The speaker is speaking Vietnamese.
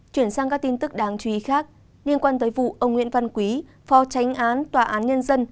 chuyển sang các tin tức đáng chú ý khác liên quan tới vụ ông nguyễn văn quý phó tránh án tòa án nhân dân